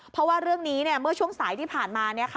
เพราะว่าเรื่องนี้เมื่อช่วงสายที่ผ่านมา